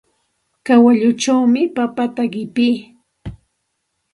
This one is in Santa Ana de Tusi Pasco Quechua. Kawalluchawmi papata qipii.